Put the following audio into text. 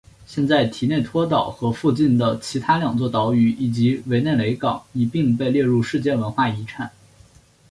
现在提内托岛和附近的其他两座岛屿以及韦内雷港一并被列入世界文化遗产。